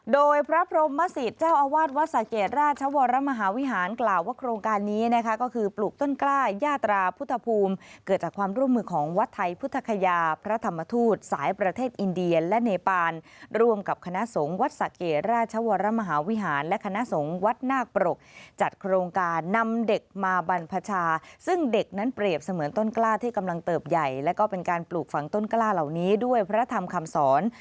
โดยพระพรหมสิทธิ์เจ้าอาวาสวัสดิ์สังเกตราชวรมหาวิหารกล่าวว่าโครงการนี้นะคะก็คือปลูกต้นกล้ายาตราพุทธภูมิเกิดจากความร่วมมือของวัดไทยพุทธภัยาพระธรรมทูตสายประเทศอินเดียและเนปานร่วมกับคณะสงฆ์วัดสังเกตราชวรมหาวิหารและคณะสงฆ์วัดนากปรกจัดโครงการน